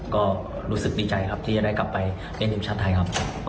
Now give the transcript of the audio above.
ก็รู้สึกดีใจครับที่จะได้กลับไปเล่นทีมชาติไทยครับ